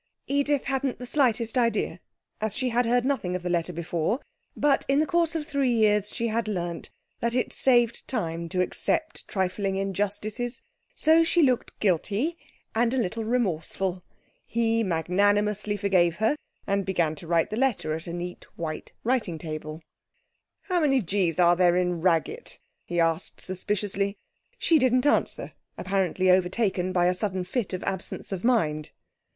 Edith hadn't the slightest idea, as she had heard nothing of the letter before, but, in the course of three years, she had learnt that it saved time to accept trifling injustices. So she looked guilty and a little remorseful. He magnanimously forgave her, and began to write the letter at a neat white writing table. 'How many g's are there in "Raggett"?' he asked suspiciously. She didn't answer, apparently overtaken by a sudden fit of absence of mind.